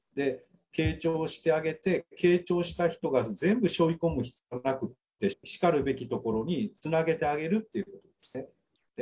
傾聴してあげて、傾聴した人が全部しょい込む必要なくって、しかるべきところにつなげてあげるっていうことですね。